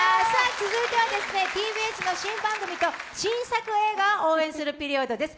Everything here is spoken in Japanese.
続いては、ＴＢＳの新番組と新作映画を応援するピリオドです。